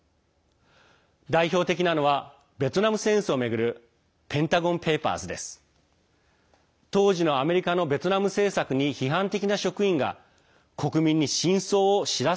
代表的なのはベトナム戦争を巡るペンタゴン・ペーパーズです。